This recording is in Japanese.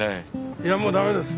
いやもうダメです。